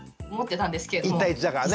１対１だからね。